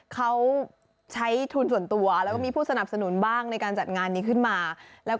เขาใช้ทุนส่วนตัวแล้วก็มีผู้สนับสนุนบ้างในการจัดงานนี้ขึ้นมาแล้ว